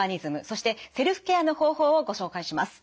そしてセルフケアの方法をご紹介します。